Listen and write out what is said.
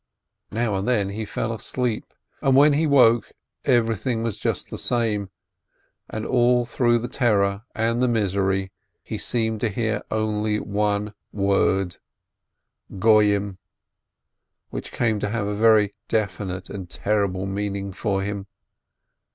Now and then he fell asleep, and when he woke everything was just the same, and all through the terror and the misery he seemed to hear only one word, Goyim, which came to have a very definite and terrible meaning for him.